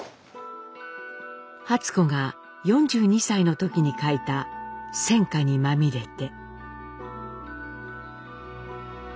初子が４２歳の時に書いた「戦禍にまみれて」。